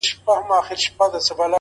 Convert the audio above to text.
خدای چي و کور ته يو عجيبه منظره راوړې~